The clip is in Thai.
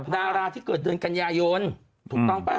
นาฬาที่เกิดเดือนกัญญาโยนถูกต้องเปล่า